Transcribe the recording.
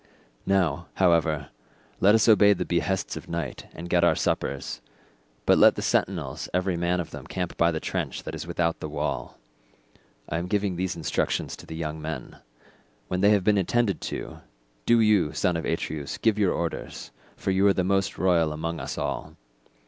"Now, however, let us obey the behests of night and get our suppers, but let the sentinels every man of them camp by the trench that is without the wall. I am giving these instructions to the young men; when they have been attended to, do you, son of Atreus, give your orders, for you are the most royal among us all.